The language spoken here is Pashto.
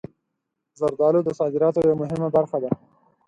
زردالو د صادراتو یوه مهمه برخه ده.